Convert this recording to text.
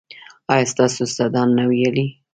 ایا ستاسو استادان نه ویاړي؟